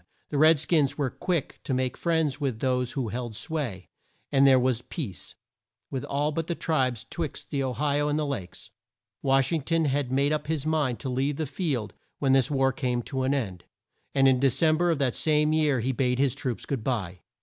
The red skins were quick to make friends with those who held sway, and there was peace with all the tribes twixt the O hi o and the Lakes. Wash ing ton had made up his mind to leave the field when this war came to an end, and in De cem ber of the same year he bade his troops good bye.